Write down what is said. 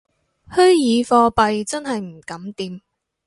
虛擬貨幣真係唔敢掂